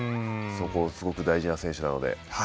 すごく大事な選手なので。